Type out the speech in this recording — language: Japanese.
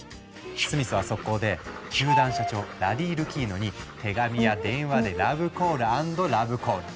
スミスは速攻で球団社長ラリー・ルキーノに手紙や電話でラブコール＆ラブコール。